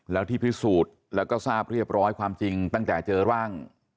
แล้วที่พิสูจน์แล้วก็ทราบเรียบร้อยความจริงตั้งแต่เจอร่าง